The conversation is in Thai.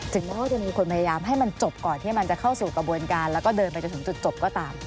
แม้ว่าจะมีคนพยายามให้มันจบก่อนที่มันจะเข้าสู่กระบวนการแล้วก็เดินไปจนถึงจุดจบก็ตาม